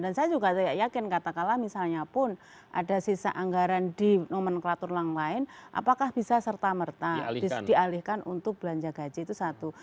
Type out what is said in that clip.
dan saya juga yakin kata kalah misalnya pun ada sisa anggaran di nomenklatur yang lain apakah bisa serta merta dialihkan untuk belanja gaji itu satu